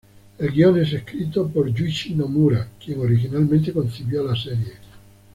El guion es escrito por Yūichi Nomura, quien originalmente concibió la serie.